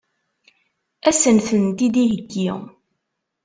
Ad sen-tent-id-iheggi?